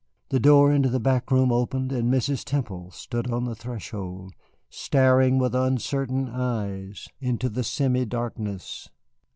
The door into the back room opened, and Mrs. Temple stood on the threshold, staring with uncertain eyes into the semi darkness.